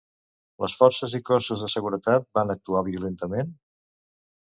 Les forces i cossos de seguretat van actuar violentament?